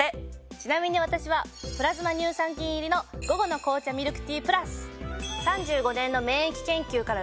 ちなみに私はプラズマ乳酸菌入りの午後の紅茶ミルクティープラス。